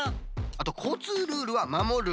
あとこうつうルールはまもる。